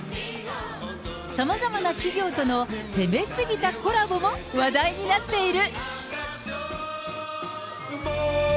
さまざまな企業との攻め過ぎたコラボも話題になっている。